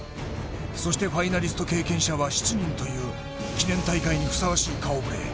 そして、ファイナリスト経験者は７人という記念大会にふさわしい顔ぶれ。